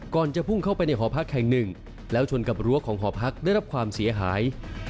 จะพุ่งเข้าไปในหอพักแห่งหนึ่งแล้วชนกับรั้วของหอพักได้รับความเสียหาย